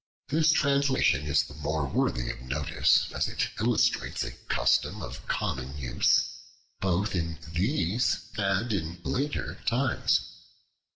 This translation is the more worthy of notice, as it illustrates a custom of common use, both in these and in later times.